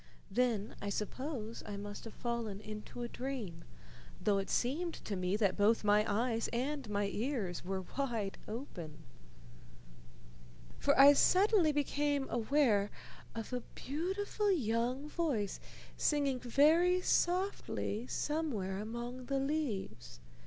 Then I suppose I must have fallen into a dream, though it seemed to me that both my eyes and my ears were wide open, for I suddenly became aware of a beautiful young voice singing very softly somewhere among the leaves.